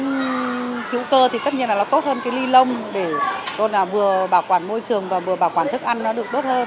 cái hữu cơ thì tất nhiên là nó tốt hơn cái ly lông để vừa bảo quản môi trường và vừa bảo quản thức ăn nó được tốt hơn